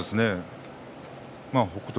北勝